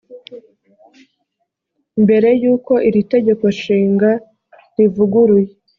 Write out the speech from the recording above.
mbere y uko iri tegeko nshinga rivuguruye